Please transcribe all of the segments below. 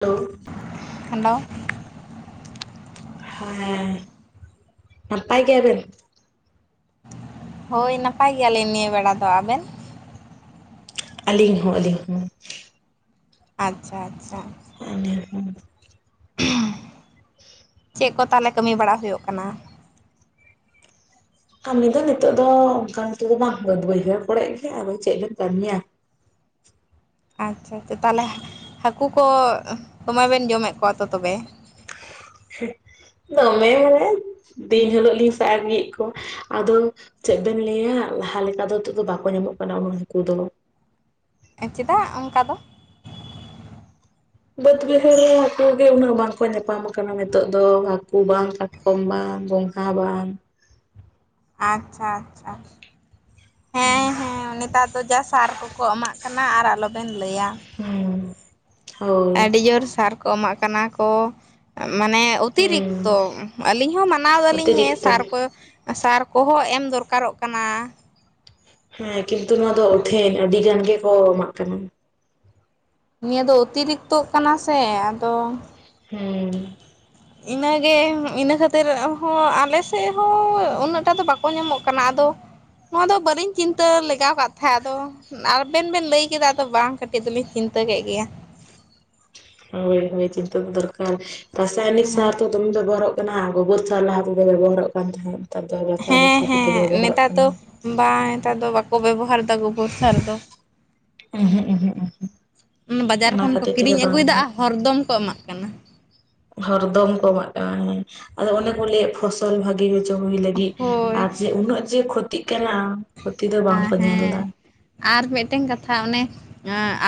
ᱴᱟᱹᱝ hello. ᱦᱮᱸᱻ, ᱱᱟᱯᱟᱭ ᱜᱮᱭᱟ ᱵᱮᱱ? ᱦᱳᱭ ᱱᱟᱯᱟᱭ ᱜᱮᱭᱟᱞᱤᱧ ᱱᱤᱭᱟᱹ ᱵᱮᱲᱟ ᱫᱚ, ᱟᱵᱮᱱ? ᱟᱹᱞᱤᱧ ᱦᱚᱸ ᱟᱹᱞᱤᱧ ᱦᱚᱸ᱾ ᱟᱪᱪᱷᱟ ᱟᱪᱪᱷᱟ᱾ [inaudible] ᱪᱮᱫ ᱠᱚ ᱛᱟᱦᱚᱞᱮ ᱠᱟᱹᱢᱤ ᱵᱟᱲᱟ ᱦᱳᱭᱳᱜ ᱠᱟᱱᱟ? ᱠᱟᱢᱤ ᱫᱚ ᱱᱤᱛᱚᱜ ᱫᱚ ᱚᱝᱠᱟ ᱱᱤᱛᱚᱜ ᱫᱚ ᱵᱟᱝ ᱵᱟᱹᱫᱽ ᱵᱟᱹᱭᱦᱟᱹᱲ ᱠᱚᱨᱮ ᱜᱮ ᱟᱫᱚ ᱪᱮᱫ ᱵᱮᱱ ᱠᱟᱹᱢᱤᱭᱟ᱾ ᱟᱪᱪᱷᱟ ᱟᱪᱪᱷᱟ ᱛᱟᱦᱚᱞᱮ, ᱦᱟᱹᱠᱩ ᱠᱚ ᱫᱚᱢᱚᱭ ᱵᱮᱱ ᱡᱚᱢᱮᱫ ᱠᱚᱣᱟ ᱛᱚ ᱛᱚᱵᱮ? ᱫᱚᱢᱮ ᱢᱟᱱᱮ, ᱫᱤᱱ ᱦᱤᱞᱳᱜ ᱞᱤᱧ ᱥᱟᱵ [unintelligible] ᱠᱚ ᱟᱫᱚ ᱪᱮᱫ ᱵᱮᱱ ᱞᱟᱹᱭᱟ ᱞᱟᱦᱟ ᱞᱮᱠᱟ ᱫᱚ ᱱᱤᱛᱚᱜ ᱫᱚ ᱵᱟᱠᱚ ᱧᱟᱢᱚᱜ ᱠᱟᱱᱟ ᱩᱱᱟᱹᱜ ᱦᱟᱹᱠᱩ ᱫᱚ᱾ ᱮ ᱪᱮᱫᱟᱜ ᱚᱝᱠᱟ ᱫᱚ? ᱵᱟᱹᱫᱽ ᱵᱟᱹᱭᱦᱟᱹᱲ ᱨᱮ ᱦᱟᱹᱠᱩ ᱜᱮ ᱩᱱᱟᱹᱜ ᱵᱟᱝ ᱠᱚ ᱧᱟᱯᱟᱢ ᱟᱠᱟᱱᱟ ᱱᱤᱛᱚᱜ ᱫᱚ ᱦᱟᱹᱠᱩ ᱵᱟᱝ, ᱠᱟᱴ ᱠᱚᱢ ᱵᱟᱝ, ᱜᱚᱝᱜᱷᱟ ᱦᱚᱸ ᱵᱟᱝ᱾ ᱟᱪᱪᱷᱟ ᱟᱪᱪᱷᱟ ᱾ ᱦᱮᱸ ᱦᱮᱸ ᱱᱮᱛᱟᱨ ᱫᱚ ᱡᱟ ᱥᱟᱨ ᱠᱚᱠᱚ ᱮᱢᱟᱜ ᱠᱟᱱᱟ ᱟᱨ ᱟᱞᱚ ᱵᱮᱱ ᱞᱟᱹᱭᱟ᱾ ᱦᱩᱸ᱾ ᱦᱳᱭ ᱟᱹᱰᱤ ᱡᱳᱨ ᱥᱟᱨ ᱠᱚ ᱮᱢᱟᱜ ᱠᱟᱱᱟ ᱠᱚ, ᱢᱟᱱᱮ ᱦᱩᱸ ᱚᱛᱤᱨᱤᱠᱛᱚ ᱟᱹᱞᱤᱧ ᱦᱚᱸ ᱢᱟᱱᱟᱣ ᱫᱟᱞᱤᱧ ᱦᱮᱸ ᱚᱛᱤᱨᱤᱠᱛᱚ ᱥᱟᱨ ᱠᱚ ᱥᱟᱨ ᱠᱚᱦᱚᱸ ᱮᱢ ᱫᱚᱨᱠᱟᱨᱚᱜ ᱠᱟᱱᱟ᱾ ᱦᱮᱸ ᱠᱤᱱᱛᱩ ᱱᱚᱣᱟ ᱫᱚ ᱳᱴᱷᱮᱱ ᱟᱹᱰᱤ ᱜᱟᱱ ᱜᱮᱠᱚ ᱮᱢᱟᱜ ᱠᱟᱱᱟ᱾ ᱱᱤᱭᱟᱹ ᱫᱚ ᱚᱛᱤᱨᱤᱠᱛᱚᱜ ᱠᱟᱱᱟ ᱥᱮ ᱟᱫᱚ ᱦᱮᱸ᱾ ᱤᱱᱟᱹ ᱜᱮ ᱤᱱᱟᱹ ᱠᱷᱟᱹᱛᱤᱨ ᱦᱚᱸ ᱟᱞᱮ ᱥᱮᱜ ᱦᱚᱸ ᱩᱱᱟᱹᱜ ᱴᱟᱜ ᱫᱚ ᱵᱟᱠᱚ ᱧᱟᱢᱚᱜ ᱠᱟᱱᱟ ᱟᱫᱚ ᱱᱚᱣᱟ ᱫᱚ ᱵᱟᱹᱞᱤᱧ ᱪᱤᱱᱛᱟᱹ ᱞᱮᱜᱟᱣ ᱠᱟᱜ ᱛᱟᱦᱮᱸᱫ ᱟᱫᱚ ᱟᱵᱮᱱ ᱵᱮᱱ ᱞᱟᱹᱭ ᱠᱮᱫᱟ ᱟᱫᱚ ᱵᱟᱝ ᱠᱟᱹᱴᱤᱡ ᱫᱚᱞᱤᱧ ᱪᱤᱱᱛᱟᱹ ᱠᱮᱜ ᱜᱮᱭᱟ᱾ ᱦᱳᱭ ᱦᱳᱭ ᱪᱤᱱᱛᱟᱹ ᱫᱚ ᱫᱚᱨᱠᱟᱨ, ᱨᱟᱥᱟᱭᱚᱱᱤᱠ ᱦᱮᱸ ᱥᱟᱨ ᱛᱚ ᱫᱚᱢᱮ ᱵᱮᱵᱷᱟᱨᱚᱜ ᱠᱟᱱᱟ ᱜᱳᱵᱚᱨ ᱛᱚ ᱞᱟᱦᱟ ᱛᱮᱫᱮ ᱵᱮᱵᱚᱦᱟᱨᱚᱜ ᱠᱟᱱ ᱛᱟᱦᱮᱸᱫ ᱱᱮᱛᱟᱨ ᱫᱚ ᱨᱟᱥᱟᱭᱚᱱᱤᱠ ᱦᱮᱸ ᱥᱟᱨ [inaudible] ᱦᱮᱸ ᱵᱮᱵᱚᱦᱟᱨᱚᱜ ᱱᱮᱛᱟᱨ ᱠᱟᱱᱟ᱾ ᱫᱚ ᱵᱟᱝ ᱱᱮᱛᱟᱨ ᱫᱚ ᱵᱟᱠᱚ ᱵᱮᱵᱚᱦᱟᱨᱮᱫᱟ ᱜᱳᱵᱚᱨ ᱥᱟᱨ ᱫᱚ᱾ ᱩᱸᱦᱩᱜ ᱩᱸᱦᱩᱜ ᱩᱸᱦᱩᱜ ᱚᱱᱟ ᱵᱟᱡᱟᱨ ᱠᱷᱚᱱ ᱠᱚ ᱠᱷᱟᱹᱛᱤᱨ ᱛᱮᱜᱮ ᱠᱤᱨᱤᱧ ᱵᱟᱝ ᱟᱹᱜᱩᱭᱫᱟ ᱟᱨ ᱦᱚᱨ ᱫᱚᱢ ᱠᱚ ᱮᱢᱟᱜ ᱠᱟᱱᱟ᱾ ᱦᱚᱨᱫᱚᱢ ᱠᱚ ᱮᱢᱟᱜ ᱠᱟᱱᱟ ᱦᱮᱸ, ᱟᱫᱚ ᱚᱱᱮ ᱠᱚ ᱞᱟᱹᱭᱮᱫ ᱯᱷᱚᱥᱚᱞ ᱵᱷᱟᱜ ᱦᱩᱭᱩᱜ ᱪᱚ ᱦᱩᱭ ᱞᱟᱹᱜᱤᱫ, ᱦᱳᱭ ᱟᱨ ᱡᱮ ᱩᱱᱟᱹᱜ ᱡᱮ ᱠᱷᱚᱛᱤᱜ ᱠᱟᱱᱟ ᱠᱷᱚᱛᱤ ᱫᱚ ᱟ ᱵᱟᱝᱠᱚ ᱧᱮᱞ ᱦᱮᱸ, ᱮᱫᱟ ᱟᱨ ᱢᱤᱫᱴᱮᱝ ᱠᱟᱛᱷᱟ ᱚᱱᱮ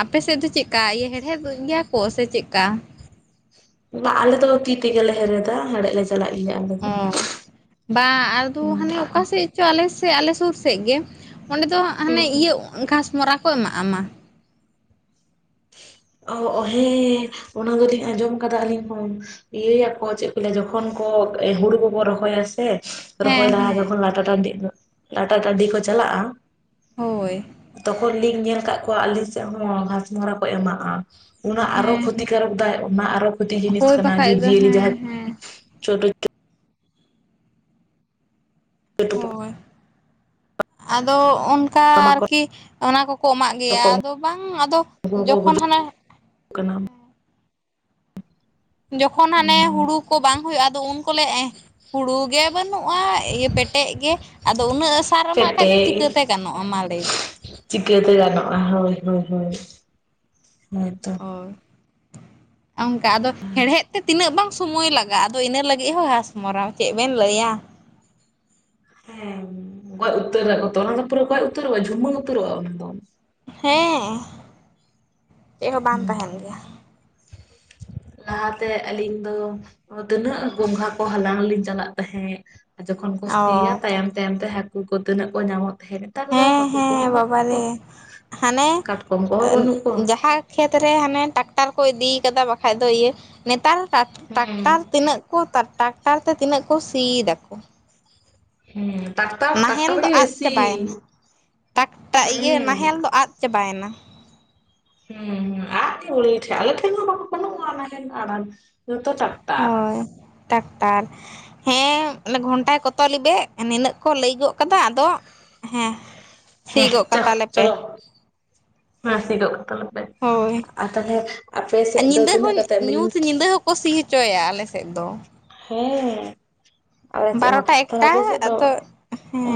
ᱟᱯᱮ ᱥᱮᱜ ᱫᱚ ᱪᱮᱫ ᱠᱟ ᱤᱭᱟᱹ ᱦᱮᱲᱦᱮᱫ ᱜᱮᱭᱟ ᱠᱚ ᱥᱮ ᱪᱮᱫᱠᱟ? ᱵᱟ ᱟᱞᱮ ᱫᱚ ᱛᱤ ᱛᱮᱜᱮᱞᱮ ᱦᱮᱲᱮᱫᱟ, ᱦᱮᱲᱮᱡ ᱞᱮ ᱪᱟᱞᱟᱜ ᱜᱮᱭᱟ ᱟᱫᱚ ᱦᱮᱸ, ᱵᱟᱝ ᱟᱫᱚ ᱦᱟᱱᱮ ᱚᱠᱟ ᱥᱮᱫ ᱪᱚ ᱟᱞᱮ ᱥᱮᱜ ᱟᱞᱮ ᱥᱩᱨ ᱥᱮᱜ ᱜᱮ, ᱚᱸᱰᱮ ᱫᱚ ᱦᱟᱱᱮ ᱦᱩᱸ ᱤᱭᱟᱹ ᱜᱷᱟᱥᱢᱚᱨᱟ ᱠᱚ ᱮᱢᱟᱜ-ᱟ ᱢᱟ! ᱚ ᱚ ᱦᱮᱸᱻ, ᱚᱱᱟ ᱫᱚᱞᱤᱧ ᱟᱸᱡᱚᱢ ᱠᱟᱫᱟ ᱟᱹᱞᱤᱧ ᱦᱚᱸ᱾ ᱤᱭᱟᱹᱭᱟᱠᱚ ᱪᱮᱫ ᱠᱚ ᱞᱟᱹᱭᱟ ᱡᱚᱠᱷᱚᱱ ᱠᱚ ᱦᱩᱲᱩ ᱠᱚᱵᱚ ᱨᱚᱦᱚᱭᱟ ᱥᱮ ᱨᱚᱦᱚᱭ ᱦᱮᱸ ᱞᱟᱦᱟ ᱦᱮᱸ ᱡᱚᱠᱷᱚᱱ ᱞᱟᱴᱟ ᱴᱟᱺᱰᱤ, ᱞᱟᱴᱟ ᱴᱟᱺᱰᱤ ᱠᱚ ᱪᱟᱞᱟᱜᱼᱟ, ᱦᱳᱭ ᱛᱚᱠᱷᱚᱱ ᱞᱤᱧ ᱧᱮᱞ ᱟᱠᱟᱫ ᱠᱚᱣᱟ ᱟᱹᱞᱤᱧ ᱥᱮᱫ ᱦᱚᱸ ᱜᱷᱟᱸᱥᱢᱚᱨᱟ ᱠᱚ ᱮᱢᱟᱜᱼᱟ᱾ ᱚᱱᱟ ᱟᱨᱚ ᱦᱮᱸ ᱠᱷᱚᱛᱤ ᱦᱮᱸ ᱠᱟᱨᱚᱠ ᱫᱟᱭ, ᱟᱨᱚ ᱠᱷᱚᱛᱤ ᱡᱤᱱᱤᱥ ᱦᱳᱭ ᱠᱟᱱᱟ ᱡᱮ ᱵᱟᱠᱷᱟᱡ ᱫᱚ ᱡᱮᱞ ᱦᱮᱸ ᱡᱟᱦᱟᱸᱭᱼᱼ ᱦᱮᱸ ᱪᱷᱳᱴ [unintelligible] [unintelligible] ᱦᱳᱭ ᱟᱫᱚ ᱚᱱᱼᱼ ᱚᱱᱠᱟ ᱢᱟᱠᱚᱲ ᱟᱨᱠᱤ ᱚᱱᱟ ᱠᱚᱠᱚ ᱮᱢᱟᱜ ᱜᱮᱭᱟ᱾ ᱠᱚ ᱟᱫᱚ ᱵᱟᱝ ᱟᱫᱚ ᱡᱚᱠᱷᱚᱱ ᱦᱟᱱᱮᱼᱼ ᱠᱟᱱᱟᱢ ᱡᱚᱠᱷᱚᱱ ᱦᱟᱱᱮ ᱦᱩᱸ ᱦᱩᱲᱩ ᱠᱚ ᱵᱟᱝ ᱦᱩᱭᱩᱜᱼᱟ ᱟᱫᱚ ᱩᱱ ᱠᱚᱞᱮ ᱮᱸᱼᱼ ᱦᱩᱲᱩ ᱜᱮ ᱵᱟᱹᱱᱩᱜᱼᱟ᱾ ᱤᱭᱟᱹ ᱯᱮᱴᱮᱡ ᱜᱮ, ᱟᱫᱚ ᱩᱱᱟᱹᱜᱼᱼ ᱪᱮᱫ ᱛᱮ ᱤᱥ [unintelligible] ᱪᱤᱠᱟᱹᱛᱮ ᱜᱟᱱᱚᱜᱼᱟ᱾ ᱦᱳᱭ, ᱦᱳᱭ, ᱦᱳᱭ ᱦᱳᱭᱛᱚ᱾ ᱦᱳᱭ ᱚᱝᱠᱟ ᱟᱫᱚ, ᱦᱮᱲᱦᱮᱫ ᱛᱮ ᱛᱤᱱᱟᱹᱜ ᱵᱟᱝᱼᱼ ᱥᱚᱢᱳᱭ ᱞᱟᱜᱟᱜᱼᱟ᱾ ᱟᱫᱚ ᱤᱱᱟᱹ ᱞᱟᱹᱜᱤᱫ ᱦᱚᱸ ᱜᱷᱟᱥ ᱢᱟᱨᱟᱣ ᱪᱮᱫ ᱵᱮᱱ ᱞᱟᱹᱭᱟ᱾ ᱦᱮᱸ ᱜᱚᱡ ᱩᱛᱟᱹᱨᱟ ᱛᱚ, ᱚᱱᱟ ᱫᱚ ᱯᱩᱨᱟᱹ ᱜᱚᱡ ᱩᱛᱟᱹᱨᱚᱜᱼᱟ᱾ ᱡᱷᱩᱢᱟᱹ ᱩᱛᱟᱹᱨᱚᱜᱼᱟ ᱚᱱᱟ ᱫᱚ᱾ ᱦᱮᱸ ᱪᱮᱫ ᱦᱚᱸ ᱵᱟᱝ ᱛᱟᱦᱮᱱ ᱦᱩᱸ ᱜᱮᱭᱟ᱾ ᱞᱟᱦᱟᱛᱮ ᱟᱹᱞᱤᱧ ᱫᱚ, ᱛᱤᱱᱟᱹᱜ ᱜᱚᱝᱜᱷᱟ ᱠᱚ ᱦᱟᱞᱟᱝ ᱞᱤᱧ ᱪᱟᱞᱟᱜ ᱛᱟᱦᱮᱸᱜ᱾ ᱡᱚᱠᱷᱚᱱ ᱠᱚ ᱚ ᱥᱤᱭᱟ ᱛᱟᱭᱚᱢ, ᱛᱟᱭᱚᱢ ᱛᱮ ᱦᱟᱹᱠᱩ ᱠᱚ ᱛᱤᱱᱟᱹᱜ ᱠᱚ ᱧᱟᱢᱚᱜ ᱛᱟᱦᱮᱸᱜ᱾ ᱱᱮᱛᱟᱨ ᱫᱚᱼᱼ ᱦᱮᱸ ᱦᱮᱸ ᱵᱟᱵᱟ ᱨᱮ, ᱦᱟᱱᱮ ᱠᱟᱴᱠᱚᱢ ᱠᱚᱦᱚᱸ ᱵᱟᱹᱱᱩᱜ ᱠᱚᱣᱟ ᱡᱟᱦᱟᱸᱭᱼᱼ ᱠᱷᱮᱛ ᱨᱮ ᱦᱟᱱᱮ ᱴᱟᱠᱴᱟᱨ ᱠᱚ ᱤᱫᱤ ᱠᱟᱫᱟ ᱵᱟᱠᱷᱟᱡ ᱫᱚ ᱤᱭᱟᱹ, ᱱᱮᱛᱟᱨ ᱴᱟᱠ ᱦᱮᱸ ᱴᱟᱠᱴᱟᱨ ᱛᱤᱱᱟᱹᱜᱼᱼ ᱴᱟᱠᱴᱟᱨ ᱛᱮ ᱛᱤᱱᱟᱹᱜ ᱠᱚ ᱥᱤᱭ ᱫᱟᱠᱚ᱾ ᱦᱮᱸ ᱴᱟᱠᱴᱟ [unintelligible] ᱱᱟᱦᱮᱞ ᱫᱚ ᱟᱫ ᱪᱟᱵᱟᱭᱮᱱᱟ᱾ ᱴᱟᱠᱴᱟ ᱤᱭᱟᱹ ᱦᱮᱸ ᱱᱟᱦᱮᱞ ᱫᱚ ᱟᱫ ᱪᱟᱵᱟᱭᱮᱱᱟ᱾ ᱦᱩᱸ, ᱦᱩᱸ ᱟᱜ ᱴᱷᱩᱲᱤ ᱴᱷᱮᱜ [unintelligible] ᱟᱞᱮ ᱴᱷᱮᱱ ᱦᱚᱸ ᱵᱟᱹᱱᱩᱜᱼᱟ ᱚᱱᱟ ᱨᱮᱱ [unintelligible] ᱦᱳᱭ ᱴᱟᱠᱴᱟᱨ᱾ ᱦᱮᱸ ᱮᱱᱮ ᱜᱷᱚᱱᱴᱟᱭ ᱠᱚᱛᱚ ᱞᱤᱵᱮ, ᱱᱤᱱᱟᱹᱜ ᱠᱚ ᱞᱟᱹᱭ ᱜᱚᱫ ᱠᱟᱫᱟ᱾ ᱟᱫᱚᱼᱼ ᱦᱮᱸ, ᱥᱤ ᱦᱮᱸ ᱜᱚᱜ ᱪᱚ ᱠᱟᱛᱟᱞᱮ ᱯᱮ᱾ ᱪᱚᱞᱚ ᱦᱮᱸ ᱥᱤ ᱜᱚᱜ ᱠᱟᱛᱟᱞᱮᱯᱮ ᱦᱳᱭ ᱾ ᱟᱨ ᱛᱟᱦᱚᱞᱮ ᱟᱯᱮ ᱥᱮᱫ ᱫᱚ ᱛᱤᱱᱟᱹᱜ ᱠᱟᱛᱮ ᱢᱤᱱᱤᱴ? ᱠᱩ ᱥᱤ ᱦᱚᱪᱚᱭᱟ ᱟᱞᱮ ᱥᱮᱫ ᱫᱚ᱾ ᱦᱮᱸᱻ ᱵᱟᱨᱚ ᱴᱟ, ᱮᱠᱴᱟ ᱫᱚ ᱟᱫᱚ ᱦᱮᱸ᱾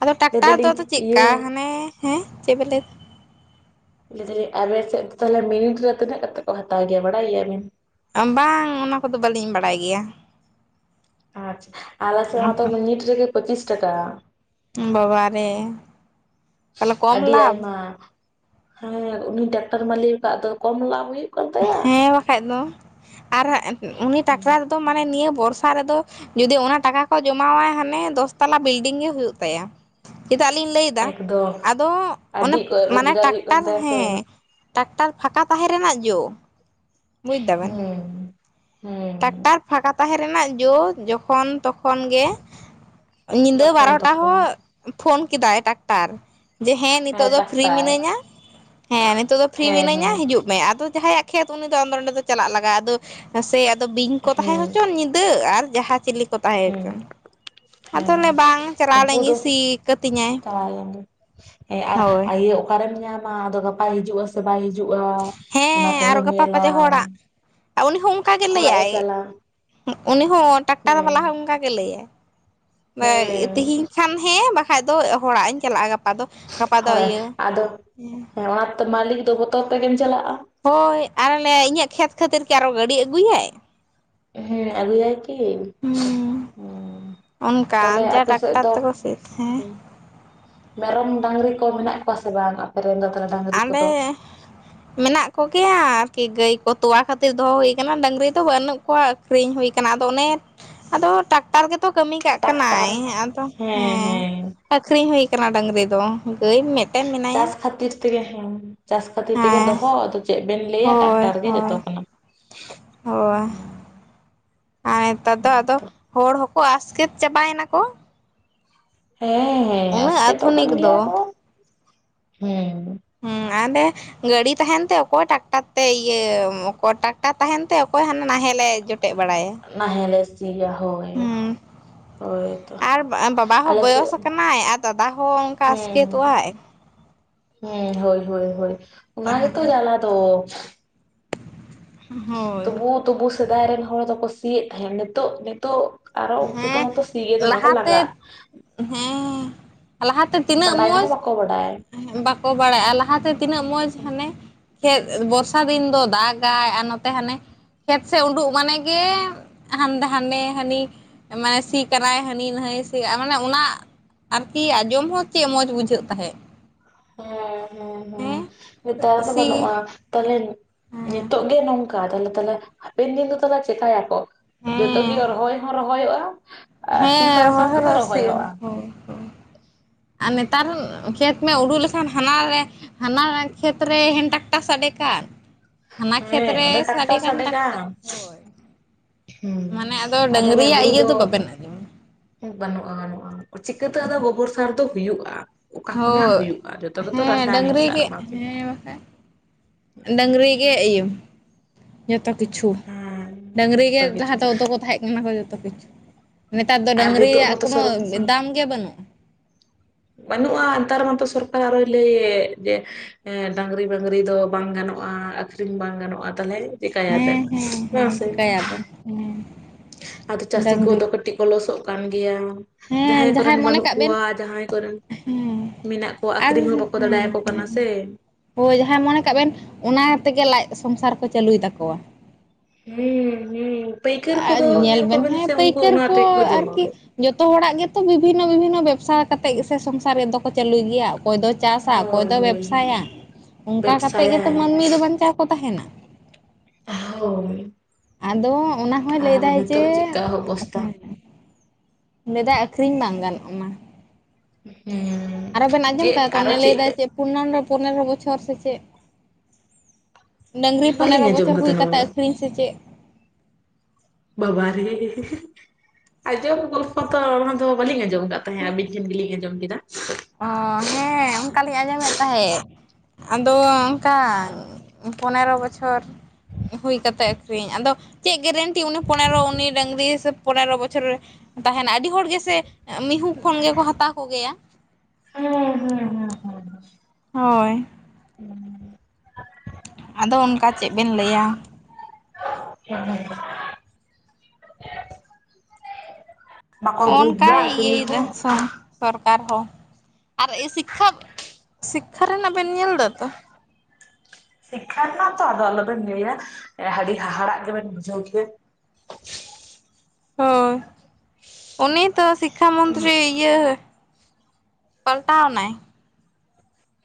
ᱟᱫᱚ ᱞᱟᱹᱭ ᱴᱟᱠᱴᱟᱨ ᱫᱚ ᱟᱫᱚ ᱫᱟᱞᱤᱧ ᱪᱮᱫᱠᱟ ᱤᱭᱟᱹ ᱦᱟᱱᱮ ᱦᱮᱸ, ᱪᱮᱫ ᱵᱮ ᱞᱟᱹᱭᱫᱟ? ᱞᱟᱹᱭ ᱫᱟᱞᱤᱧ, ᱟᱵᱤᱱ ᱥᱮᱫ ᱫᱚ ᱛᱟᱞᱦᱮ ᱢᱤᱱᱤᱴ ᱨᱮ ᱛᱤᱱᱟᱹᱜ ᱠᱟᱛᱮᱫ ᱠᱚ ᱦᱟᱛᱟᱣ ᱜᱮᱭᱟ ᱵᱟᱲᱟᱭ ᱜᱮᱭᱟ ᱵᱮᱱ? ᱵᱟᱝ ᱚᱱᱟ ᱠᱚᱫᱚ ᱵᱟᱹᱞᱤᱧ ᱵᱟᱲᱟᱭ ᱜᱮᱭᱟ᱾ ᱟᱨ ᱟᱞᱮ ᱥᱮᱫ ᱢᱟᱛᱚ ᱢᱤᱱᱤᱴ ᱨᱮᱜᱮ ᱯᱚᱸᱪᱤᱥ ᱴᱟᱠᱟ᱾ ᱵᱟᱵᱟ ᱨᱮ᱾ ᱟᱹᱰᱤ ᱟᱭᱢᱟ᱾ ᱦᱮᱸ ᱩᱱᱤ ᱴᱟᱠᱴᱟᱨ ᱢᱟᱞᱤᱠᱟᱜ ᱫᱚ ᱠᱚᱢ ᱞᱟᱵᱷ ᱦᱩᱭᱩᱜ ᱠᱟᱱ ᱛᱟᱭᱟ᱾ ᱦᱮᱸ ᱵᱟᱠᱷᱟᱡ ᱫᱚ, ᱟᱨ ᱩᱱᱤ ᱴᱟᱠᱴᱟᱨ ᱫᱚ ᱢᱟᱱᱮ ᱱᱤᱭᱟᱹ ᱵᱚᱨᱥᱟ ᱨᱮᱫᱚᱼᱼ ᱡᱩᱫᱤ ᱚᱱᱟ ᱴᱟᱠᱟ ᱠᱚ ᱡᱚᱢᱟᱣᱟᱭ ᱦᱟᱱᱮ ᱫᱚᱥ ᱛᱟᱞᱟ ᱵᱤᱞᱰᱤᱝ ᱜᱮ ᱦᱩᱭᱩᱜ ᱛᱟᱭᱟ᱾ ᱪᱮᱫᱟᱜ ᱞᱤᱧ ᱞᱟᱹᱭᱼᱼ ᱫᱟ᱾ ᱮᱠᱫᱚᱢ ᱟᱫᱚ ᱚᱱᱮ ᱟᱹᱰᱤ ᱚᱠᱚᱡ ᱢᱟᱱᱮ ᱨᱳᱡᱽᱜᱟᱨ ᱦᱩᱭᱩᱜ ᱠᱟᱱ ᱴᱟᱠᱴᱟᱨ ᱛᱟᱭᱟ ᱥᱮ ᱦᱮᱸ᱾ ᱴᱟᱠᱴᱟᱨ ᱯᱷᱟᱸᱠᱟ ᱛᱟᱦᱮᱸ ᱨᱮᱱᱟᱜ ᱡᱳᱼᱼ ᱦᱩᱸ, ᱦᱩᱸ᱾ ᱴᱟᱠᱴᱟᱨ ᱯᱷᱟᱸᱠᱟ ᱛᱟᱦᱮᱸ ᱨᱮᱱᱟᱜ ᱡᱚ ᱡᱚᱠᱷᱚᱱ ᱛᱚᱠᱷᱚᱱᱼᱼ ᱠᱷᱚᱱ ᱜᱮ, ᱧᱤᱫᱟᱹ ᱡᱚᱠᱷᱚᱱ ᱵᱟᱨᱚ ᱴᱟ ᱛᱚᱠᱷᱚᱱ ᱦᱚᱸ ᱯᱷᱳᱱ ᱠᱮᱫᱟᱭ ᱴᱟᱠᱴᱟᱨ᱾ ᱡᱮ ᱦᱮᱸ ᱱᱤᱛᱚᱜ ᱫᱚ ᱯᱷᱨᱤ ᱢᱤᱱᱟᱹᱧᱟ ᱦᱮᱸ ᱱᱤᱛᱚᱜ ᱫᱚ ᱯᱷᱤᱨᱤ ᱦᱮᱸ ᱢᱤᱱᱟᱹᱧᱟ ᱦᱮᱸ ᱦᱤᱡᱩᱜ ᱢᱮ ᱟᱫᱚ ᱡᱟᱦᱟᱸᱭᱟᱜ ᱠᱷᱮᱛ ᱩᱱᱤ ᱫᱚ ᱟᱫᱚ ᱚᱸᱰᱮ ᱫᱚ ᱪᱟᱞᱟᱜ ᱞᱟᱜᱼᱟ ᱟᱫᱚ ᱥᱮ ᱟᱫᱚ ᱵᱤᱧ ᱠᱚ ᱛᱟᱦᱮᱸ ᱦᱩᱸ ᱦᱚᱪᱚᱱ ᱧᱤᱫᱟᱹ ᱟᱨ ᱡᱟᱦᱟᱸ ᱪᱤᱞᱤ ᱠᱚ ᱛᱟᱦᱮᱸ ᱦᱩᱸ ᱦᱚᱪᱚᱱ ᱾ ᱟᱫᱚ ᱦᱮᱸ ᱚᱱᱮ ᱵᱟᱝ ᱪᱟᱞᱟᱣ ᱞᱮᱱ ᱩᱱᱠᱩ ᱫᱚ ᱜᱮᱧ ᱥᱤ ᱠᱟᱹᱛᱤᱧᱟᱭ᱾ ᱪᱟᱵᱟᱭᱮᱱ ᱜᱮ ᱦᱮᱸ ᱟᱨ ᱦᱳᱭ ᱟᱭᱟᱹ ᱚᱠᱟᱨᱮᱢ ᱧᱟᱢᱟ ᱟᱫᱚ ᱜᱟᱯᱟᱭ ᱦᱤᱡᱩᱜᱼᱟ ᱥᱮ ᱥᱮ ᱵᱟᱭ ᱦᱤᱡᱩᱜᱼᱟ ᱚᱱᱟ ᱦᱮᱸ ᱠᱚᱦᱚ ᱟᱨᱚ ᱜᱟᱯᱟ ᱯᱟᱪᱮ ᱧᱮᱞᱟᱢ ᱦᱚᱲᱟᱜ ᱩᱱᱤ ᱦᱚᱸ ᱚᱝᱠᱟ ᱜᱮ ᱞᱟᱹᱭᱟᱭ ᱩᱱᱤ ᱦᱚᱸ ᱴᱟᱠᱴᱟᱨ ᱦᱮᱸ ᱵᱟᱞᱟ ᱦᱚᱸ ᱚᱱᱠᱟᱜᱮ ᱞᱟᱹᱭᱟᱭ ᱦᱮᱸ ᱛᱮᱦᱤᱧ ᱠᱷᱟᱱ ᱦᱮᱸ ᱵᱟᱠᱷᱟᱡ ᱫᱚ ᱦᱚᱲᱟᱜ ᱤᱧ ᱪᱟᱞᱟᱜᱼᱟ, ᱜᱟᱯᱟ ᱫᱚ ᱜᱟᱯᱟ ᱫᱚ ᱦᱚᱲᱟᱜ ᱤᱭᱟᱹ ᱟᱫᱚ ᱦᱮᱸ ᱚᱱᱟᱛᱮ ᱢᱟᱹᱞᱤᱠ ᱫᱚ ᱵᱚᱛᱚᱨ ᱛᱮᱜᱮᱢ ᱪᱟᱞᱟᱜᱼᱟ᱾ ᱦᱳᱭ ᱟᱨ ᱮ ᱞᱟᱹᱭ ᱟᱭ ᱤᱧᱟᱹᱜ ᱠᱷᱮᱛ ᱠᱷᱟᱹᱛᱤᱨ ᱠᱤ ᱟᱨᱚ ᱜᱟᱹᱰᱤ ᱟᱹᱜᱩᱭᱟᱭ᱾ ᱦᱮᱸ ᱟᱜᱩᱭᱟᱭ ᱠᱤ ᱦᱩᱸ ᱾ ᱚᱱᱠᱟᱱ ᱡᱟ ᱴᱟᱠᱴᱟᱨ ᱛᱮᱠᱚ ᱥᱮ ᱦᱮᱸ ᱢᱮᱨᱚᱢ ᱰᱟᱝᱨᱤ ᱠᱚ ᱢᱮᱱᱟᱜ ᱠᱚᱣᱟ ᱥᱮ ᱵᱟᱝᱟ ᱟᱯᱮ ᱨᱮᱱ ᱫᱚ ᱛᱟᱦᱚᱞᱮ ᱟᱞᱮ ᱢᱮᱱᱟᱜ ᱠᱚᱜᱮᱭᱟ ᱟᱨᱠᱤ ᱜᱟᱹᱭ ᱠᱚ ᱛᱚᱣᱟ ᱠᱷᱟᱹᱛᱤᱨ ᱫᱚᱦᱚ ᱦᱩᱭ ᱠᱟᱱᱟ ᱰᱟᱹᱝᱨᱤ ᱫᱚ ᱵᱟᱹᱱᱩᱜ ᱠᱚᱣᱟ ᱟᱹᱠᱷᱨᱤᱧ ᱦᱩᱭ ᱠᱟᱱᱟ, ᱟᱫᱚ ᱚᱱᱮ ᱟᱫᱚ ᱴᱟᱠᱴᱟᱨ ᱜᱮᱛᱚ ᱠᱟᱹᱢᱤ ᱠᱟᱜ ᱠᱟᱱᱟᱭ ᱴᱟᱠᱴᱟᱨ ᱟᱫᱚ ᱦᱮᱸ ᱦᱮᱸ‌᱾ ᱦᱮᱸ ᱟᱠᱷᱨᱤᱧ ᱦᱩᱭ ᱟᱠᱟᱱᱟ ᱰᱟᱝᱨᱤ ᱫᱚ ᱜᱟᱹᱭ ᱢᱮᱫ ᱪᱟᱥ ᱠᱷᱟᱹᱛᱤᱨ ᱛᱮᱜᱮ ᱦᱮᱸ ᱪᱟᱥ ᱠᱷᱟᱹᱛᱤᱨ ᱛᱮᱜᱮ ᱦᱮᱸ ᱫᱚᱦᱚ ᱟᱫᱚ ᱪᱮᱫ ᱵᱮᱱ ᱞᱟᱹᱭᱟ ᱦᱳᱭ ᱴᱟᱠᱴᱟᱨ ᱜᱮ ᱡᱚᱛᱚ ᱦᱳᱭ ᱠᱟᱱᱟ᱾ ᱦᱳᱭ᱾ ᱟᱨ ᱱᱮᱛᱟᱨ ᱫᱚ ᱟᱫᱚ ᱦᱚᱲ ᱦᱚᱸᱠᱚ ᱟᱥᱠᱮᱛ ᱪᱟᱵᱟᱭᱮᱱᱟ ᱠᱚ᱾ ᱦᱮᱸᱻ ᱩᱱᱟᱹᱜ ᱟᱥᱠᱮᱛᱚᱜ ᱠᱟᱱ ᱟᱫᱷᱩᱱᱤᱠ ᱜᱮᱭᱟ ᱫᱚ ᱠᱚ ᱦᱩᱸ᱾ ᱦᱩᱸ ᱟᱞᱮ ᱜᱟᱹᱰᱤ ᱛᱟᱦᱮᱱᱛᱮ ᱚᱠᱚᱭ ᱴᱟᱠᱴᱟᱨ ᱛᱮ ᱤᱭᱟᱹ ᱚᱠᱚᱭ ᱴᱟᱠᱴᱟᱨ ᱛᱟᱦᱮᱱ ᱛᱮ ᱚᱠᱚᱭ ᱦᱟᱱ ᱱᱟᱦᱮᱞ ᱞᱮ ᱡᱚᱴ ᱡᱚᱴᱮᱜ ᱵᱟᱲᱟᱭᱟ᱾ ᱱᱟᱦᱮᱞᱮ ᱥᱤᱭᱟ ᱦᱳᱭ ᱦᱸᱩ, ᱦᱳᱭ ᱾ ᱟᱨ ᱵᱟᱵᱟ ᱦᱚᱸ ᱵᱚᱭᱚᱥ ᱠᱟᱱᱟᱭ ᱟᱨ ᱫᱟᱫᱟ ᱦᱚᱸ ᱚᱱᱠᱟ ᱦᱮᱸ ᱟᱥᱠᱮᱛᱚᱜ ᱟᱭ ᱾ ᱦᱮᱸ ᱦᱳᱭ ᱦᱳᱭ ᱚᱱᱟ ᱜᱮᱛᱚ ᱛᱟᱦᱚᱞᱮ ᱡᱟᱞᱟ ᱫᱚ ᱾ ᱦᱳᱭ᱾ ᱛᱵᱩ ᱥᱮᱫᱟᱭ ᱨᱮᱱ ᱦᱚᱲ ᱫᱚᱠᱚ ᱥᱤᱭᱮᱫ ᱛᱟᱦᱮᱸᱫ, ᱱᱤᱛᱚᱜ ᱱᱤᱛᱚᱜ ᱟᱨᱚ ᱦᱮᱸ ᱩᱱᱠᱩᱛᱚᱢᱟ ᱥᱤᱜᱮ ᱫᱚᱢᱮ ᱠᱚ ᱞᱟᱦᱟᱛᱮ ᱞᱟᱸᱜᱟᱜ᱾ ᱦᱮᱸ ᱞᱟᱦᱟ ᱛᱮ ᱛᱤᱱᱟᱹᱜ ᱵᱟᱰᱟᱭ ᱢᱚᱡᱽ ᱦᱚᱸ ᱵᱟᱠᱚ ᱵᱟᱰᱟᱭ᱾ ᱵᱟᱠᱚ ᱵᱟᱲᱟᱭᱼᱟ ᱞᱟᱦᱟᱛᱮ ᱛᱤᱱᱟᱹᱜ ᱢᱚᱡᱽ ᱦᱟᱱᱮ ᱠᱷᱮᱫ ᱵᱚᱨᱥᱟ ᱫᱤᱱ ᱫᱚ ᱫᱟᱜᱟᱭ ᱟᱨ ᱱᱚᱛᱮ ᱦᱟᱱᱮ ᱠᱷᱮᱛ ᱥᱮᱜ ᱩᱰᱩᱩᱜ ᱢᱟᱱᱮ ᱜᱮ ᱦᱟᱱ ᱦᱟᱱᱮ ᱦᱟᱹᱱᱤ ᱢᱟᱱᱮ ᱥᱤ ᱠᱟᱱᱟᱭ ᱦᱟᱹᱱᱤ ᱱᱟᱹᱭ ᱥᱤ ᱢᱟᱱᱮ ᱚᱱᱟ ᱟᱨᱠᱤ ᱟᱸᱡᱚᱢ ᱦᱚᱸ ᱪᱮᱫ ᱢᱚᱸᱡᱽ ᱵᱩᱡᱷᱟᱹᱜ ᱛᱟᱦᱮᱸᱜ᱾ ᱦᱮᱸ ᱦᱮᱸ ᱦᱮᱸ ᱱᱮᱛᱟᱨ ᱫᱚ ᱥᱤ ᱵᱟᱹᱱᱩᱜᱼᱟ, ᱛᱟᱦᱚᱞᱮ ᱦᱮᱸ ᱱᱤᱛᱳᱜ ᱜᱮ ᱱᱚᱝᱠᱟ ᱛᱟᱦᱞᱮ ᱛᱟᱦᱞᱮ ᱦᱟᱯᱮᱱ ᱫᱤᱱ ᱫᱚ ᱛᱟᱦᱚᱞᱮ ᱪᱮᱠᱟᱭ ᱟᱠᱚ? ᱦᱮᱸ ᱡᱚᱛᱚᱜᱮ ᱨᱚᱦᱚᱭ ᱦᱚᱸ ᱨᱚᱦᱚᱭᱚᱜᱼᱟ ᱟᱨ ᱥᱤ ᱦᱮᱸ ᱥᱟᱶ ᱨᱚᱦᱚᱭ ᱥᱟᱶ ᱦᱚᱸ ᱛᱮᱜᱮ ᱞᱚᱥᱮᱜᱼᱟ ᱨᱚᱦᱚᱭᱚᱜᱼᱟ᱾ ᱦᱳᱭ ᱦᱳᱭ ᱟᱨ ᱱᱮᱛᱟᱨ ᱠᱷᱮᱛ ᱢᱮ ᱩᱰᱩ ᱞᱮᱠᱷᱟᱱ ᱦᱟᱱᱟ ᱨᱮ ᱦᱟᱱᱟᱱᱟ ᱠᱷᱮᱛ ᱨᱮ ᱦᱮᱱ ᱴᱟᱠᱴᱟᱨ ᱥᱟᱰᱮ ᱠᱟᱱ ᱦᱟᱱᱟ ᱦᱮᱸ ᱠᱷᱮᱛᱨᱮ ᱱᱚᱰᱮ ᱥᱟᱰᱮ ᱴᱟᱠᱴᱟᱨ ᱠᱟᱱ ᱴᱟᱠᱴᱟᱨ ᱦᱳᱭ᱾ ᱦᱩᱸ ᱢᱟᱱᱮ ᱟᱫᱚ ᱟᱨ ᱛᱟᱦᱞᱮ ᱰᱟᱹᱝᱨᱤᱭᱟᱜ ᱦᱩᱲᱩ ᱤᱭᱟᱹ ᱫᱚ ᱵᱟᱵᱮᱱ ᱟᱸᱡᱚᱢᱟ᱾ ᱵᱟᱹᱱᱩᱜᱼᱟ ᱵᱟᱹᱱᱩᱜᱼᱟ ᱪᱤᱠᱟᱹᱛᱮ ᱟᱫᱚ ᱜᱚᱵᱚᱨ ᱥᱟᱨ ᱫᱚ ᱦᱩᱭᱩᱜᱼᱟ? ᱚᱠᱟ ᱠᱷᱚᱱᱟᱜ ᱦᱳᱭ ᱦᱩᱭᱩᱜᱼᱟ ᱡᱚᱛᱚ ᱜᱮᱛᱚ ᱦᱮᱸ ᱨᱟᱥᱟᱭᱱᱤᱠ ᱰᱟᱝᱨᱤ ᱥᱟᱨ ᱜᱮ ᱚᱱᱟ ᱛᱮᱜᱮ ᱦᱮᱸ ᱵᱟᱠᱷᱟᱱ ᱾ ᱰᱟᱝᱨᱤ ᱜᱮ ᱮᱭᱳ ᱡᱚᱛᱚ ᱠᱤᱪᱷᱩ ᱦᱮᱸ ᱰᱟᱹᱝᱨᱤ ᱜᱮ ᱡᱚᱛᱚ ᱞᱟᱦᱟ ᱠᱤᱪᱷᱩ ᱦᱚᱛᱚ ᱠᱚ ᱛᱟᱦᱮᱸᱜ ᱠᱟᱱᱟ ᱠᱚ ᱡᱚᱛᱚ ᱠᱤᱪᱷᱩ ᱾ ᱱᱮᱛᱟᱨ ᱫᱚ ᱟᱨ ᱱᱤᱛᱚᱜ ᱰᱟᱹᱝᱨᱤᱭᱟᱜ ᱢᱟᱛᱚ ᱠᱚᱱᱚ ᱥᱚᱨᱚ ᱫᱟᱢ ᱜᱮ ᱵᱟᱹᱱᱩᱜᱼᱟ ᱾ ᱵᱟᱹᱱᱩᱜᱼᱟ ᱱᱮᱛᱟᱨ ᱢᱟᱛᱚ ᱥᱚᱨᱠᱟᱨ ᱟᱨᱚᱭ ᱞᱟᱹᱭᱮᱫ ᱡᱮ ᱮ ᱰᱟᱝᱨᱤ ᱢᱟᱹᱝᱨᱤ ᱫᱚ ᱵᱟᱝ ᱜᱟᱱᱚᱜᱼᱟ ᱟᱹᱷᱨᱤᱧ ᱵᱟᱝ ᱜᱟᱱᱚᱜᱼᱟ ᱛᱟᱞᱦᱮ ᱪᱮᱠᱟᱭᱟ ᱵᱮᱱ ᱦᱮᱸ ᱦᱮᱸ ᱵᱟᱝ ᱥᱮ? ᱦᱮᱸ ᱾ ᱟᱫᱚ ᱪᱟᱹᱥᱤ ᱠᱚᱫᱚ ᱠᱟᱹᱴᱤᱡ ᱠᱚ ᱞᱚᱥᱚᱜ ᱠᱟᱱ ᱜᱮᱭᱟ ᱾ ᱡᱟᱦᱟᱸᱭ ᱦᱮᱸ ᱠᱚᱨᱮᱱ ᱢᱚᱱᱮ ᱵᱟᱱᱩᱜ ᱠᱟᱜ ᱵᱮᱱ ᱠᱚᱣᱟ ᱡᱟᱦᱟᱸᱭ ᱠᱚᱨᱮᱱ ᱢᱮᱱᱟᱜ ᱠᱚᱣᱟ ᱟᱨ ᱟᱠᱷᱨᱤᱧ ᱦᱚᱸ ᱵᱟᱠᱚ ᱦᱮᱸ ᱫᱟᱲᱮᱭᱟᱠᱚ ᱠᱟᱱᱟ ᱥᱮ ᱾ ᱦᱳᱭ ᱡᱟᱦᱟᱸ ᱢᱚᱱᱮ ᱠᱟᱜ ᱵᱮᱱ ᱚᱱᱟ ᱛᱮᱜᱮ ᱞᱟᱡ ᱥᱚᱝᱥᱟᱨ ᱠᱚ ᱪᱟᱹᱞᱩᱭ ᱛᱟᱠᱚᱣᱟ ᱾ ᱦᱩᱸ ᱦᱩᱸ ᱯᱟᱹᱭᱠᱟᱹᱨ ᱟᱨ ᱠᱚᱫᱚ ᱧᱮᱞ ᱵᱮᱱ ᱠᱚᱵᱮᱱ ᱦᱮᱸ ᱥᱮ ᱩᱝᱠᱩ ᱯᱟᱹᱭᱠᱟᱹᱨ ᱚᱱᱟ ᱛᱮᱜᱮ ᱠᱚ ᱡᱚᱢᱟ ᱠᱚ ᱟᱨᱠᱤ ᱾ ᱡᱚᱛᱚ ᱦᱚᱲᱟᱜ ᱜᱮᱛᱚ ᱵᱤᱵᱷᱤᱱᱱᱚ ᱵᱤᱵᱷᱤᱱᱱᱚ ᱵᱮᱵᱽᱥᱟ ᱠᱟ ᱠᱟᱛᱮᱜ ᱜᱮ ᱥᱮ ᱥᱚᱝᱥᱟᱨ ᱨᱮ ᱫᱚᱠᱚ ᱪᱟᱹᱞᱩᱭ ᱜᱮᱭᱟ ᱾ ᱚᱠᱚᱭ ᱫᱚ ᱦᱳᱭ ᱪᱟᱥᱟ ᱚᱠᱚᱭ ᱦᱳᱭ ᱫᱚ ᱦᱳᱭ ᱵᱮᱵᱥᱟᱭᱟ ᱚᱝᱠᱟ ᱠᱟᱛᱮᱫ ᱜᱮᱛᱚ ᱵᱮᱵᱥᱟᱭᱟᱭ ᱢᱟᱹᱱᱢᱤ ᱫᱚ ᱵᱟᱧᱪᱟᱣ ᱠᱚ ᱛᱟᱦᱮᱱᱟ ᱾ ᱦᱳᱭ ᱾ ᱟᱫᱚ ᱚᱱᱟ ᱦᱚᱭ ᱞᱟᱹᱭ ᱫᱟᱭ ᱡᱮ ᱪᱮᱫᱠᱟ ᱦᱮᱸ ᱚᱵᱚᱥᱛᱟ ᱦᱮᱸ ᱾ ᱞᱮᱫᱟᱭ ᱟᱠᱷᱨᱤᱧ ᱵᱟᱝ ᱜᱟᱱᱚᱜᱼᱟ ᱢᱟ ᱾ ᱦᱮᱸ ᱾ ᱟᱨᱚ ᱵᱮᱱ ᱟᱸᱡᱚᱢ ᱠᱟᱫᱟ ᱚᱱᱮ ᱞᱟᱹᱭ ᱫᱟᱭ ᱡᱮ ᱯᱚᱱᱱᱚᱱ ᱨᱮ ᱯᱚᱱᱮᱨᱚ ᱵᱚᱪᱷᱚᱨ ᱥᱮ ᱪᱮᱫ? ᱰᱟᱹᱝᱨᱤ ᱯᱚᱱᱮᱨᱚ ᱵᱟᱹᱞᱤᱧ ᱟᱸᱡᱚᱢ ᱵᱚᱪᱷᱚᱨ ᱦᱩᱭ ᱠᱟᱫᱟ ᱱᱚᱣᱟ ᱠᱟᱛᱮᱫ ᱫᱚ ᱟᱹᱠᱷᱨᱤᱧ ᱥᱮ ᱪᱮᱫ? ᱵᱟᱵᱟᱨᱮ ᱟᱡᱚᱵ ᱜᱚᱞᱯᱷᱚ ᱛᱚ ᱚᱱᱟ ᱫᱚ ᱵᱟᱞᱤᱧ ᱟᱡᱚᱢ ᱠᱟᱜ ᱛᱟᱦᱮᱸ ᱟᱹᱵᱤᱱ ᱴᱷᱮᱱ ᱜᱮᱞᱤᱧ ᱟᱸᱡᱚᱢ ᱠᱮᱫᱟ᱾ ᱚᱸ ᱦᱮᱸ ᱚᱝᱠᱟ ᱞᱤᱧ ᱟᱸᱡᱚᱢᱮᱫ ᱛᱟᱦᱮᱸᱫ ᱾ ᱟᱫᱚ ᱚᱝᱠᱟ ᱯᱚᱱᱮᱨᱚ ᱵᱚᱪᱷᱚᱨ ᱦᱩᱭ ᱠᱟᱛᱮᱫ ᱟᱹᱠᱷᱨᱤᱧ, ᱟᱫᱚ ᱪᱮᱫ ᱜᱮᱨᱮᱱᱴᱤ ᱩᱱᱤ ᱯᱚᱱᱮᱨᱚ ᱩᱱᱤ ᱰᱟᱝᱨᱤ ᱥᱮ ᱯᱚᱱᱮᱨᱚ ᱵᱚᱪᱷᱚᱨ ᱨᱮ ᱛᱟᱦᱮᱱᱟ ᱟᱹᱰᱤ ᱦᱚᱲ ᱜᱮᱥᱮ ᱢᱤᱦᱩ ᱠᱷᱚᱱ ᱜᱮᱠᱚ ᱦᱟᱛᱟᱣ ᱠᱚᱜᱮᱭᱟ᱾ ᱦᱩᱸ ᱦᱩᱸ ᱦᱩᱸ ᱾ ᱦᱳᱭ ᱾ ᱦᱩᱸ ᱾ ᱟᱫᱚ ᱚᱱᱠᱟ ᱪᱮᱫ ᱵᱮᱱ ᱞᱟᱹᱭᱟ? [inaudible] ᱵᱟᱠᱚ ᱵᱩᱡ ᱫᱟ ᱚᱱᱠᱟᱭ ᱪᱤᱞᱤ ᱤᱭᱟᱹᱫᱟ ᱦᱚᱸ ᱥᱚᱝ ᱥᱚᱨᱠᱟᱨ ᱦᱚᱸ ᱟᱨ ᱤ ᱥᱤᱠᱠᱷᱟ ᱥᱤᱠᱠᱷᱟ ᱨᱮᱱᱟᱜ ᱵᱮᱱ ᱧᱮᱞ ᱮᱫᱟ ᱛᱚ᱾ ᱥᱤᱠᱠᱷᱟ ᱨᱮᱱᱟᱜ ᱛᱚ ᱟᱫᱚ ᱟᱞᱚᱵᱮᱱ ᱞᱟᱹᱭ ᱟᱹᱰᱤ ᱦᱟᱦᱟᱲᱟᱜ ᱜᱮᱵᱮᱱ ᱵᱩᱡᱷᱟᱹᱣ ᱠᱮᱭᱟ ᱾ ᱦᱳᱭ, ᱩᱱᱤ ᱛᱚ ᱥᱤᱠᱠᱷᱟ ᱢᱚᱱᱛᱨᱤ ᱤᱭᱟᱹ ᱯᱟᱞᱴᱟᱣ ᱱᱟᱭ᱾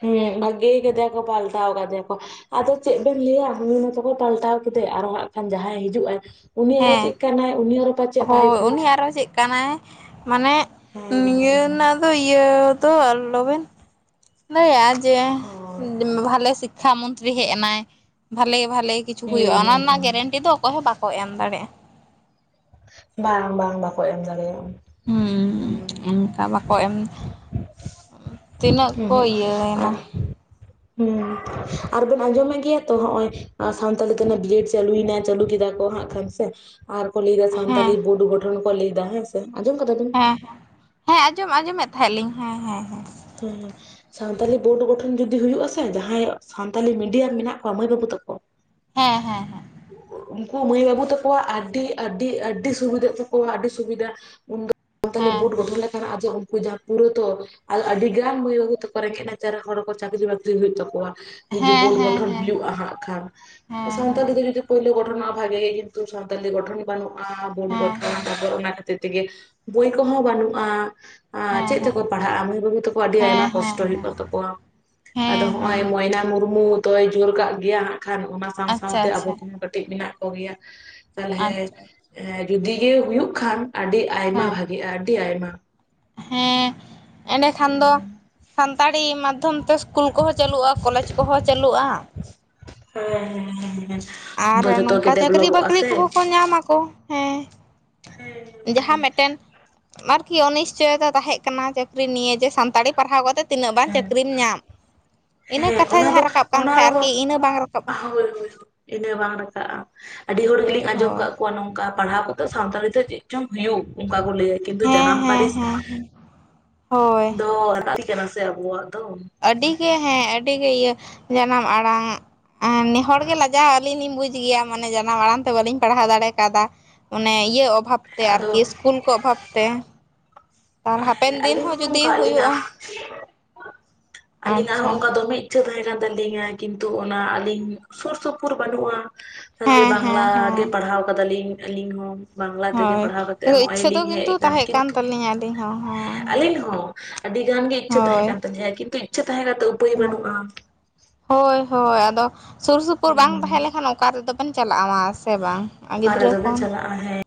ᱦᱩᱸ ᱵᱷᱟᱜᱮ ᱠᱟᱫᱮᱭᱟ ᱠᱚ ᱯᱟᱞᱴᱟᱣ ᱠᱟᱫᱮᱭᱟ ᱠᱚ ᱾ ᱟᱫᱚ ᱪᱮᱫ ᱵᱮᱱ ᱞᱟᱹᱭᱟ ᱩᱱᱤ ᱢᱟᱛᱚ ᱠᱚ ᱯᱟᱞᱴᱟᱣ ᱠᱮᱫᱮ ᱟᱨᱚ ᱦᱟᱸᱜ ᱠᱷᱟᱱ ᱡᱟᱦᱟᱸᱭ ᱦᱤᱡᱩᱜᱼᱟᱭ ᱦᱮᱸ, ᱦᱳᱭ ᱵᱩᱡᱽ ᱩᱱᱤ ᱟᱨᱚ ᱪᱮᱫ ᱠᱟᱱᱟᱭ? ᱢᱟᱱᱮ ᱦᱮᱸ ᱱᱤᱭᱟᱹ ᱦᱮᱸ ᱨᱮᱱᱟᱜ ᱫᱚ ᱤᱭᱟᱹ ᱫᱚ ᱟᱞᱚᱵᱮᱱ ᱞᱟᱹᱭᱟ ᱡᱮ ᱦᱳᱭ ᱵᱷᱟᱞᱮ ᱥᱤᱠᱠᱷᱟ ᱢᱚᱱᱛᱨᱤ ᱦᱮᱡ ᱮᱱᱟᱭ, ᱵᱷᱟᱞᱮ ᱵᱷᱟᱞᱮ ᱠᱤ ᱪᱩ ᱦᱮᱸ ᱦᱩᱭᱩᱜᱼᱟ ᱚᱱᱟ ᱦᱮᱸ ᱨᱮᱱᱟᱜ ᱦᱮᱸ ᱜᱮᱨᱮᱱᱴᱤ ᱫᱚ ᱚᱠᱚᱭ ᱦᱚᱸ ᱵᱟᱠᱚ ᱮᱢ ᱫᱟᱲᱮᱭᱟᱜᱼᱟ᱾ ᱵᱟᱝ ᱵᱟᱝ ᱵᱟᱠᱚ ᱮᱢ ᱫᱟᱲᱮᱭᱟᱜ-ᱟ᱾ ᱦᱩᱸ ᱚᱱᱠᱟ‌ ᱵᱟᱠᱚ ᱮᱢ ᱛᱤᱱᱟᱹᱜ ᱦᱮᱸ ᱠᱚ ᱦᱮᱸ ᱤᱭᱟᱹᱭ ᱟᱨ ᱮᱱᱟ᱾ ᱦᱩᱸ ᱟᱨᱵᱮᱱ ᱟᱸᱡᱚᱢᱮᱫ ᱜᱮᱭᱟ ᱛᱚ ᱦᱚᱜ ᱚᱭ ᱥᱟᱱᱛᱟᱞᱤ ᱛᱮ ᱵᱤᱮᱰ ᱪᱟᱹᱞᱩᱭᱱᱟ ᱪᱟᱹᱞᱩ ᱠᱮᱫᱟ ᱠᱚ ᱦᱟᱸᱜ, ᱟᱨ ᱥᱮ ᱟᱨ ᱠᱚ ᱞᱟᱹᱭᱫᱟ ᱦᱮᱸ ᱥᱟᱱᱛᱟᱞᱤ ᱵᱳᱨᱰ ᱜᱚᱴᱷᱚᱱ ᱠᱚ ᱞᱟᱹᱭ ᱫᱟ ᱦᱮᱸ ᱥᱮ ᱟᱸᱡᱚᱢ ᱠᱟᱫᱟ ᱵᱮᱱ? ᱦᱮᱸ ᱦᱮᱸ ᱟᱸᱡᱚᱢ ᱟᱸᱡᱚᱢᱮᱫ ᱛᱟᱦᱮᱸᱞᱤᱧ ᱦᱮᱸ ᱦᱮᱸ ᱦᱮᱸ [unintelligible] ᱥᱟᱱᱛᱟᱞᱤ ᱵᱳᱨᱰ ᱜᱚᱴᱷᱚᱱ ᱡᱩᱫᱤ ᱦᱩᱭᱩᱜ ᱟᱥᱮ ᱡᱟᱦᱟᱸᱭ ᱥᱟᱱᱛᱟᱞᱤ ᱢᱤᱰᱤᱭᱟᱢ ᱢᱮᱱᱟᱜ ᱠᱚᱣᱟ ᱢᱟᱹᱭ ᱵᱟᱹᱵᱩ ᱛᱟᱠᱚ ᱦᱮᱸ ᱦᱮᱸ ᱦᱮᱸ᱾ ᱩᱱᱠᱩ ᱢᱟᱹᱭ ᱵᱟᱹᱵᱩ ᱛᱟᱠᱚᱣᱟ ᱟᱹᱰᱤ ᱟᱹᱰᱤ ᱟᱹᱰᱤ ᱥᱩᱵᱤᱫᱷᱟᱜ ᱛᱟᱠᱚᱣᱟ ᱟᱹᱰᱤ ᱥᱩᱵᱤᱫᱷᱟ ᱩᱱ ᱫᱚ ᱥᱟᱱᱛᱟᱞᱮ ᱵᱳᱴ ᱦᱮᱸ ᱜᱚᱴᱷᱚᱱ ᱞᱮᱠᱷᱟᱱ ᱟᱡᱚ ᱩᱱᱠᱩ ᱡᱟ ᱯᱩᱨᱟᱹ ᱛᱚ ᱟᱫᱚ ᱟᱹᱰᱤ ᱜᱟᱱ ᱢᱟᱹᱭ ᱵᱟᱵᱩ ᱛᱟᱠᱚᱣᱟ ᱨᱮᱸᱜᱮᱡ ᱱᱟᱪᱟᱨ ᱨᱮ ᱦᱚᱲ ᱠᱚ ᱪᱟᱹᱠᱨᱤ ᱵᱟᱹᱠᱨᱤ ᱦᱩᱭᱩᱜ ᱛᱟᱠᱚᱣᱟ᱾ ᱡᱩᱫᱤ ᱦᱮᱸ ᱦᱮᱸ ᱵᱳᱨᱰ ᱦᱮᱸ ᱜᱚᱴᱷᱚᱱ ᱦᱩᱭᱩᱜ-ᱟ ᱦᱟᱸᱜ ᱠᱷᱟᱱ, ᱥᱟᱶᱛᱟᱞᱤ ᱫᱚ ᱡᱩᱫᱤ ᱯᱳᱭᱞᱳ ᱜᱚᱴᱷᱚᱱ ᱵᱷᱟᱜᱮ ᱜᱮ ᱠᱤᱱᱛᱩ ᱥᱟᱱᱛᱟᱞᱤ ᱜᱚᱴᱷᱚᱱ ᱵᱟᱹᱱᱩᱜ-ᱟ ᱵᱳᱰ ᱦᱮᱸ ᱜᱚᱴᱷᱚᱱ ᱦᱮᱸ ᱛᱟᱯᱚᱨ ᱚᱱᱟ ᱠᱷᱟᱹᱛᱤᱨ ᱛᱮᱜᱮ ᱵᱳᱭ ᱠᱚ ᱦᱚᱸ ᱵᱟᱹᱱᱩᱜ-ᱟ᱾ ᱟᱨ ᱦᱮᱸ ᱦᱮᱸ ᱦᱮᱸ ᱪᱮᱫ ᱛᱮᱠᱚ ᱯᱟᱲᱦᱟᱜ-ᱟ ᱢᱟᱹᱭ ᱵᱟᱹᱵᱩ ᱛᱟᱠᱚ ᱟᱹᱰᱤ ᱦᱮᱸ ᱟᱭᱢᱟ ᱦᱮᱸ ᱠᱚᱥᱴᱚ ᱦᱩᱭᱩᱜ ᱠᱟᱱ ᱛᱟᱠᱚᱣᱟ᱾ ᱦᱮᱸ ᱟᱫᱚ ᱦᱮᱸ ᱦᱮᱸ ᱦᱚᱸᱜ-ᱚᱭ ᱢᱚᱭᱱᱟ ᱢᱩᱨᱢᱩ ᱫᱚᱭ ᱡᱳᱨ ᱠᱟᱜ ᱜᱮᱭᱟ ᱦᱟᱸᱜ ᱠᱷᱟᱱ ᱚᱱᱟ ᱥᱟᱶ ᱟᱪᱪᱷᱟ ᱥᱟᱶᱛᱮ ᱟᱪᱪᱷᱟ ᱟᱵᱚ ᱠᱚᱦᱚᱸ ᱠᱟᱹᱴᱤᱡ ᱢᱮᱱᱟᱜ ᱠᱚᱜᱮᱭᱟ, ᱛᱟᱦᱚᱸᱞᱮ ᱟᱪᱪᱷᱟ ᱡᱩᱫᱤ ᱜᱮ ᱦᱩᱭᱩᱜ ᱠᱷᱟᱱ ᱟᱹᱰᱤ ᱟᱭᱢᱟ ᱦᱮᱸ ᱵᱷᱟᱜᱮ-ᱟ ᱟᱹᱰᱤ ᱟᱭᱢᱟ ᱦᱮᱸ ᱮᱸᱱᱰᱮᱠᱷᱟᱱ ᱫᱚ ᱥᱟᱱᱛᱟᱲᱤ ᱢᱟᱫᱽᱫᱷᱚᱢ ᱛᱮ ᱥ ᱥᱠᱩᱞ ᱠᱚ ᱦᱚᱸ ᱪᱟᱹᱞᱩᱜ-ᱟ ᱠᱚᱞᱮᱡᱽ ᱠᱚ ᱦᱚᱸ ᱪᱟᱹᱞᱩᱜ-ᱟ ᱦᱮᱸ ᱦᱮᱸ ᱦᱮᱸ ᱦᱮᱸ ᱾ ᱟᱨ ᱱᱚᱝᱠᱟ ᱪᱟᱹᱠᱨᱤ ᱵᱟᱹᱠᱨᱤ ᱠᱚ ᱦᱚᱸ ᱠᱚ ᱧᱟᱢ ᱟᱠᱚ ᱾ ᱦᱮᱸ ᱦᱮᱸ ᱡᱟᱦᱟᱸ ᱢᱮᱜᱴᱮᱱ ᱟᱹᱨᱠᱤ ᱚᱱᱤᱥᱪᱚᱭᱚᱛᱟ ᱛᱟᱦᱮᱸᱜ ᱠᱟᱱᱟ ᱪᱟᱹᱠᱨᱤ ᱱᱤᱭᱮ ᱡᱮ ᱥᱟᱱᱛᱟᱲᱤ ᱯᱟᱲᱦᱟᱣ ᱠᱟᱛᱮ ᱛᱤᱱᱟᱹᱜ ᱵᱟᱝ ᱦᱮᱸ ᱪᱟᱹᱠᱨᱤᱢ ᱧᱟᱢ ᱤᱱᱟᱹ ᱦᱮᱸ ᱠᱟᱛᱷᱟ ᱚᱱᱟ ᱫᱚ ᱡᱟᱦᱟᱸ ᱨᱟᱠᱟᱵ ᱠᱟᱱ ᱚᱱᱟ ᱛᱟᱦᱮᱸᱜ ᱟᱹᱨᱠᱤ ᱨᱮᱦᱚᱸ ᱤᱱᱟᱹ ᱵᱟᱝ ᱨᱟᱠᱟᱵ-ᱟ ᱾ ᱦᱳᱭ ᱦᱳᱭ ᱤᱱᱟᱹ ᱵᱟᱝ ᱨᱟᱠᱟᱵᱽ-ᱟ ᱟᱹᱰᱤ ᱦᱚᱲ ᱜᱮᱞᱤᱧ ᱟᱸᱡᱚᱢ ᱦᱳᱭ ᱠᱟᱜ ᱠᱚᱣᱟ ᱱᱚᱝᱠᱟ ᱯᱟᱲᱦᱟᱣ ᱠᱚᱛᱚ ᱥᱟᱱᱛᱟᱲᱤ ᱛᱮ ᱪᱮᱫ ᱪᱚᱝ ᱦᱩᱭᱩᱜ ᱩᱝᱠᱟ ᱠᱚ ᱞᱟᱹᱭᱟ ᱠᱤᱱᱛᱩ ᱦᱮᱸ ᱡᱟᱱᱟᱢ ᱦᱮᱸ ᱯᱟᱨᱤᱥ ᱦᱮᱸ ᱦᱳᱭ ᱫᱚ ᱞᱟᱹᱠᱛᱤ ᱠᱟᱱᱟ ᱥᱮ ᱟᱵᱚᱣᱟᱜ ᱫᱚ ᱾ ᱟᱹᱰᱤᱜᱮ ᱦᱮᱸ ᱟᱹᱰᱤᱜᱮ ᱤᱭᱟᱹ, ᱡᱟᱱᱟᱢ ᱟᱲᱟᱝ ᱟ ᱱᱮ ᱦᱚᱲ ᱜᱮ ᱞᱟᱡᱟᱣ ᱟᱞᱤᱧ ᱞᱤᱧ ᱵᱩᱡ ᱜᱤᱭᱟ ᱢᱟᱱᱮ ᱡᱟᱱᱟᱢ ᱟᱲᱟᱝ ᱛᱮ ᱵᱟᱹᱞᱤᱧ ᱯᱟᱲᱦᱟᱣ ᱫᱟᱲᱮ ᱠᱟᱫᱟ ᱚᱱᱮ ᱤᱭᱟᱹ ᱚ ᱵᱷᱟᱵᱽ ᱛᱮ ᱟᱨᱠᱤ ᱟᱫᱚ ᱥᱠᱩᱞ ᱠᱚ ᱚᱵᱷᱟᱵᱽ ᱛᱮ ᱟᱨ ᱦᱮᱸ ᱦᱟᱯᱮᱱ ᱫᱤᱱ ᱟᱹᱞᱤᱧ ᱦᱚᱸ ᱡᱩᱫᱤ ᱚᱝᱠᱟ ᱟᱹᱞᱤᱧᱟᱜ ᱦᱩᱭᱩᱜᱼᱟ ᱟᱹᱞᱤᱧᱟᱜ ᱟᱪᱪᱷᱟ ᱦᱚᱸ ᱚᱝᱠᱟ ᱫᱚᱢᱮ ᱤᱪᱪᱷᱟᱹ ᱛᱟᱦᱮᱸ ᱠᱟᱱ ᱛᱟᱹᱞᱤᱧᱟ ᱠᱤᱱᱛᱩ ᱚᱱᱟ ᱟᱞᱤᱧ ᱥᱳᱨ ᱥᱳᱯᱩᱨ ᱵᱟᱹᱱᱩᱜ-ᱟ ᱛᱟᱦᱚᱸᱞᱮ ᱦᱮᱸ ᱦᱮᱸ ᱵᱟᱝᱞᱟ ᱦᱮᱸ ᱜᱮ ᱯᱟᱲᱦᱟᱣ ᱠᱟᱫᱟᱞᱤᱧ ᱟᱹᱞᱤᱧ ᱦᱚᱸ ᱵᱟᱝᱞᱟ ᱛᱮᱸᱜᱮ ᱦᱳᱭ ᱯᱟᱲᱦᱟᱣ ᱠᱟᱛᱮᱜ ᱦᱚᱜ-ᱚᱭ ᱞᱤᱧ ᱦᱮᱡ ᱠᱟᱱ ᱠᱤᱱ ᱢᱮ ᱟᱹᱞᱤᱧ ᱦᱚᱸ ᱾ ᱟᱹᱞᱤᱧ ᱦᱚᱸ, ᱟᱹᱰᱤ ᱜᱟᱱ ᱜᱮ ᱤᱪᱪᱷᱟᱹ ᱛᱟᱦᱮᱸ ᱦᱳᱭ ᱠᱟᱱ ᱛᱟᱹᱞᱤᱧᱟ ᱠᱤᱱᱛᱩ ᱤᱪᱪᱷᱟᱹ ᱛᱟᱦᱮᱸ ᱠᱟᱛᱮ ᱩᱯᱟᱹᱭ ᱦᱮᱸ ᱵᱟᱹᱱᱩᱜ-ᱟ ᱾ ᱦᱳᱭ ᱦᱳᱭ, ᱟᱫᱚ ᱥᱩᱨ ᱥᱩᱯᱩᱨ ᱵᱟᱝ ᱦᱩᱸ ᱛᱟᱦᱮᱸ ᱞᱮᱠᱷᱟᱱ ᱚᱠᱟ ᱨᱮᱫᱚ ᱵᱮᱱ ᱪᱟᱞᱟᱜ-ᱟ ᱢᱟ ᱥᱮ ᱵᱟᱝ ᱚᱠᱟ ᱨᱮ ᱜᱤᱫᱽᱨᱟᱹ ᱫᱚ ᱵᱮᱱ ᱠᱷᱚᱱ ᱪᱟᱞᱟᱜ-ᱟ ᱦᱮᱸ